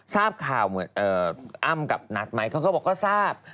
ทราบข่าวเหมือนอ้ำกับนัทไหมเขาก็บอกก็ทราบ